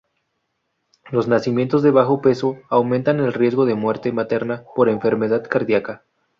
Los nacimientos de bajo peso aumentan el riesgo de muerte materna por enfermedad cardíaca.